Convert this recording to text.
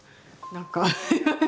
何か。